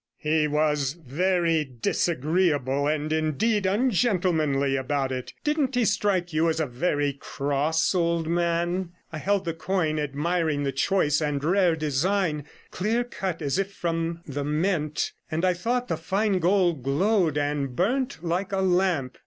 'He was very disagreeable, and indeed ungentlemanly, about it; didn't he strike you as a very cross old man?' I held the coin, admiring the choice and rare design, clear cut as if from the mint; and I thought the fine gold glowed and burnt like a lamp.